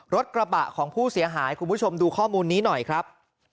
รถกระบะของผู้เสียหายคุณผู้ชมดูข้อมูลนี้หน่อยครับ